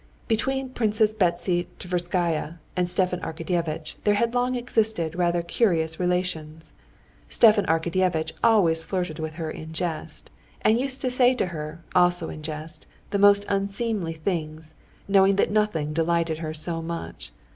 Between Princess Betsy Tverskaya and Stepan Arkadyevitch there had long existed rather curious relations. Stepan Arkadyevitch always flirted with her in jest, and used to say to her, also in jest, the most unseemly things, knowing that nothing delighted her so much.